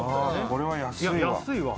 これは安いわ